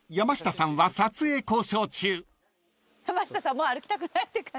もう歩きたくないって。